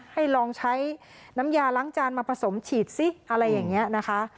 ให้ลองใช้น้ำยาล้างจานมาผสมฉีดซิอะไรอย่างนี้นะคะ